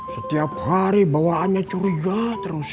setiap hari bawaannya curiga terus